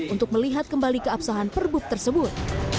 untuk melihat kembali keabsahan perbuk tersebut